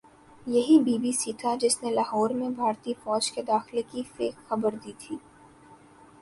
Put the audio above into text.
یہی B B C تھا جس نے لاہور میں بھارتی فوج کے داخلے کی فیک خبر دی تھی